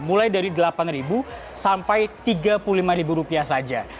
mulai dari delapan sampai tiga puluh lima rupiah saja